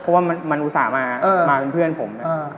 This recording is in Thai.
เพราะว่ามันมันอุตส่าห์มาเออมาเพื่อนเพื่อนผมเนี้ยอ่า